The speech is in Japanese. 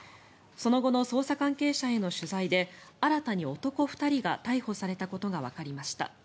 その後の捜査関係者への取材で新たに男２人が逮捕されたことがわかりました。